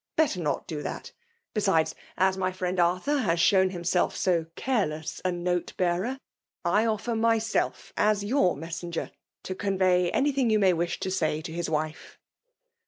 belter not do that! Besides* as my ftk^ Arthur has shown himself so careless a uaM bearer, I ofiEer'myje^aB yoar messenger/. to convey anything you may wish to say to liia wife."